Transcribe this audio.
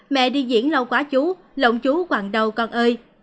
mẹ đi diễn lâu quá chú lộng chú hoàng đầu con ơi